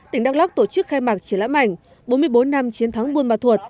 tỉnh đắk lắk tổ chức khai mạc triển lãm ảnh bốn mươi bốn năm chiến thắng buôn mà thuột